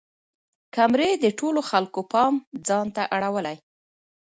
کمرې د ټولو خلکو پام ځان ته اړولی.